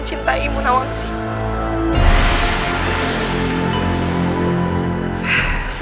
listeners dan penulis